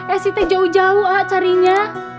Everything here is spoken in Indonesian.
esi teh jauh jauh a carinya